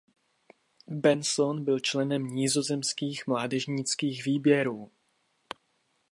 Benson byl členem nizozemských mládežnických výběrů.